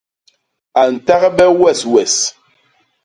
A ntagbe weswes!